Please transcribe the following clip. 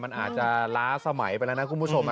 มันอาจจะล้าสมัยไปแล้วนะคุณผู้ชม